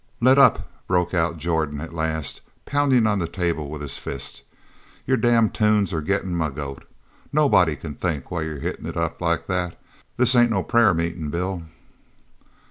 "Let up!" broke out Jordan at last, pounding on the table with his fist. "Your damn tunes are gettin' my goat. Nobody can think while you're hittin' it up like that. This ain't no prayer meetin', Bill."